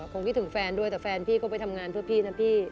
คงคิดถึงแฟนด้วยแต่แฟนพี่ก็ไปทำงานเพื่อพี่นะพี่